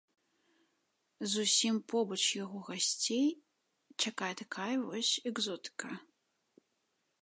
Зусім побач яго гасцей чакае такая вось экзотыка.